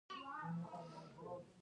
د مرکز بهسود ځمکې للمي دي